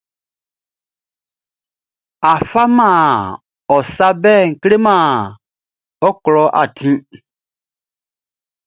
A faman ɔ sa bɛʼn kleman ɔ klɔʼn le.